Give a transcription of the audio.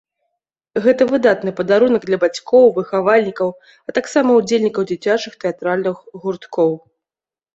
Гэта выдатны падарунак для бацькоў, выхавальнікаў, а таксама ўдзельнікаў дзіцячых тэатральных гурткоў.